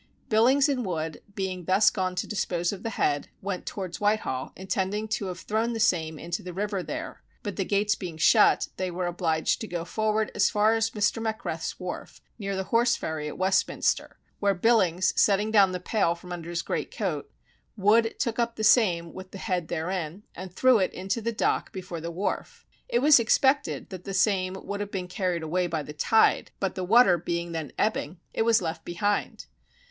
Billings and Wood being thus gone to dispose of the head, went towards Whitehall, intending to have thrown the same into the river there, but the gates being shut, they were obliged to go forward as far as Mr. Macreth's wharf, near the Horseferry at Westminster, where Billings setting down the pail from under his great coat, Wood took up the same with the head therein, and threw it into the dock before the Wharf. It was expected the same would have been carried away by the tide, but the water being then ebbing, it was left behind.